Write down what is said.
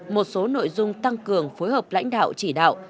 một số nội dung tăng cường phối hợp lãnh đạo chỉ đạo